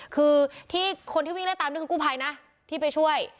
คือที่คนที่วิ่งไล่ตามนี่คือกู้ภัยนะที่ไปช่วย